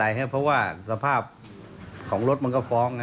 ก็ไม่เป็นไรเพราะว่าสภาพของรถมันก็ฟ้อง